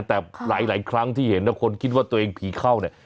แต่หลายครั้งที่เห็นนะคนคิดว่าตัวเองผีเข้าเนี่ย